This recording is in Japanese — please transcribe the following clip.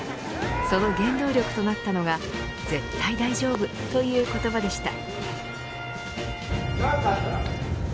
その原動力となったのが絶対大丈夫、という言葉でした。